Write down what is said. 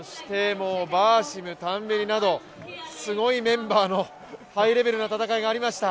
バーシム、タンベリなどすごいメンバーのハイレベルな戦いがありました。